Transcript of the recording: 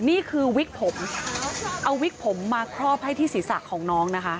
นี่คือวิกผมเอาวิกผมมาครอบให้ที่ศีรษะของน้องนะคะ